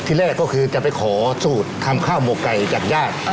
แรกก็คือจะไปขอสูตรทำข้าวหมกไก่จากญาติ